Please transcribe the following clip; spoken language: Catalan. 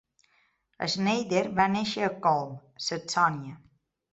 Schneider va néixer a Collm, Saxònia.